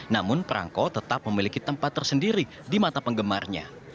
namun perangko tetap memiliki tempat tersendiri di mata penggemarnya